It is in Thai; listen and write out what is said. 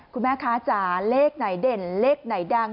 คุณแม่คะจ๋าเลขไหนเด่นเลขไหนดัง